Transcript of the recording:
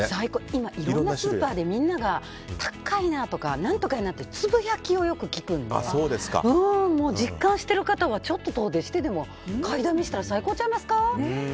今、いろんなスーパーでみんなが高いなとか何とかやなってつぶやきをよく聞くので実感している方はちょっと遠出してでも買いだめしたら最高ちゃいますか？